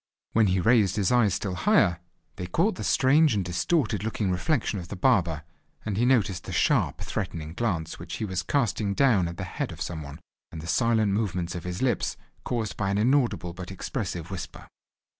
When he raised his eyes still higher, they caught the strange and distorted looking reflection of the barber, and he noticed the sharp threatening glance which he was casting down on the head of some one, and the silent movements of his lips, caused by an inaudible but expressive whisper.